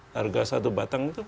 harga satu batang itu